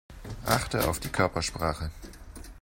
Achte auf die Körpersprache.